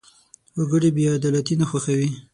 وګړي بېعدالتي نه خوښوي.